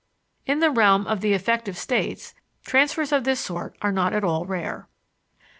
In the realm of the affective states, transfers of this sort are not at all rare.